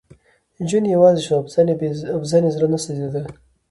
جون یوازې شو او په ځان یې زړه نه سېزېده